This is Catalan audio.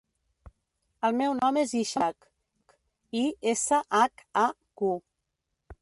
El meu nom és Ishaq: i, essa, hac, a, cu.